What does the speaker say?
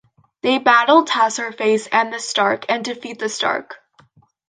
They battle Taserface and the Stark, and defeat the Stark.